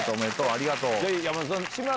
ありがとう。